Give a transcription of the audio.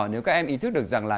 nếu các em ý thức được rằng là